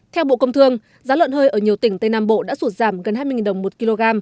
theo bộ công thương giá lợn hơi ở nhiều tỉnh tây nam bộ đã sụt giảm gần hai mươi đồng một kg